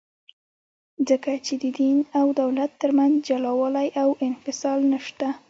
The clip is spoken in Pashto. ځکه چي د دین او دولت ترمنځ جلاوالي او انفصال نسته.